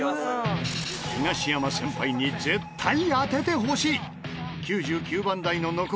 東山先輩に絶対当ててほしい！